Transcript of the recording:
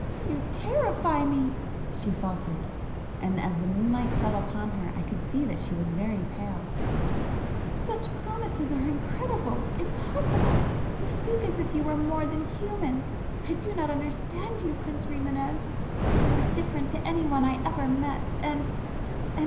"You terrify me!" she faltered,—and as the moonlight [p 348] fell upon her I could see that she was very pale—"Such promises are incredible—impossible! You speak as if you were more than human! I do not understand you, Prince Rimânez,—you are different to anyone I ever met, and ... and